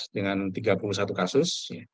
dengan tiga puluh satu kasus